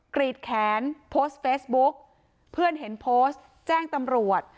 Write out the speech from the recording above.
กรีดแขนโพสต์เฟซบุ๊กเพื่อนเห็นโพสต์แจ้งตำรวจ